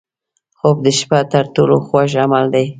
خوب د شپه تر ټولو خوږ عمل دی